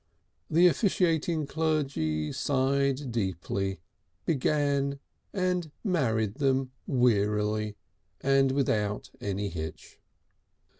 The officiating clergy sighed deeply, began, and married them wearily and without any hitch.